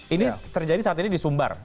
ini terjadi saat ini di sumbar